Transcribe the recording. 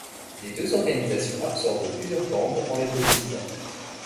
Les deux organisations absorbent plusieurs gangs en les politisant.